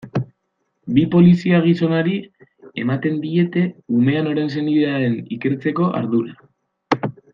Bi polizia-gizonari ematen diete umea noren senidea den ikertzeko ardura.